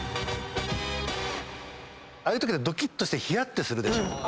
ああいうときってドキッとしてひやってするでしょ。